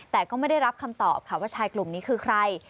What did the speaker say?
แต่ก็ไม่ได้รับคำตอบค่ะว่าชายกลุ่มนี้คือใคร